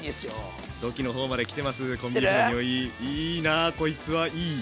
いいなこいつはいい。